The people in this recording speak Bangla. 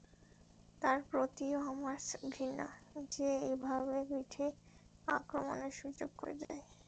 তার প্রতিও আমার ঘৃণা, যে এভাবে পিঠে আক্রমণের সুযোগ করে দেয়।